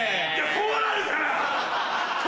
こうなるから！